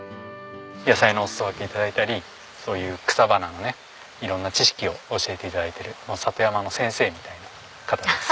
野菜のお裾分け頂いたりそういう草花の色んな知識を教えて頂いてる里山の先生みたいな方です。